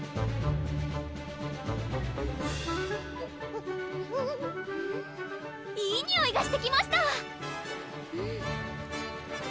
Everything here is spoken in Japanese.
うんいいにおいがしてきました！